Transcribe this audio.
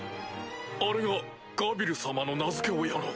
あれがガビル様の名付け親の。